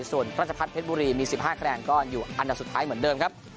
ส่วนราชพัฒนเพชรบุรีมี๑๕คะแนนก็อยู่อันดับสุดท้ายเหมือนเดิมครับ